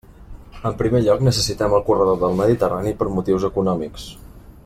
En primer lloc, necessitem el corredor del Mediterrani per motius econòmics.